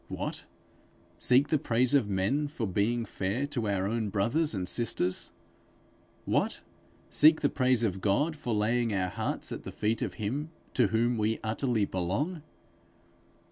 What! seek the praise of men for being fair to our own brothers and sisters? What! seek the praise of God for laying our hearts at the feet of him to whom we utterly belong?